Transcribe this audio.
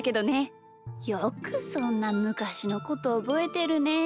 よくそんなむかしのことおぼえてるねえ。